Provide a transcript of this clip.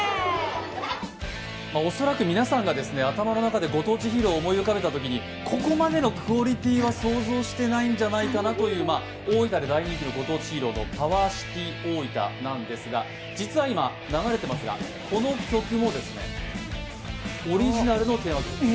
恐らく皆さんが頭の中でご当地ヒーローを思い浮かべたときに、ここまでのクオリティーは想像してないんじゃないかなという大分で大人気のご当地ヒーロー、パワーシティオーイタなんですが実は今、流れてますが、この曲もオリジナルのテーマ曲。